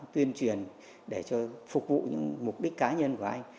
tuyên truyền để phục vụ những mục đích cá nhân của anh